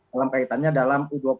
dalam kaitannya dalam u dua puluh